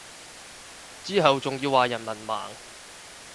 之後仲要話人文盲